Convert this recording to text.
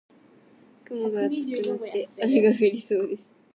雲が厚くなって雨が降りそうです。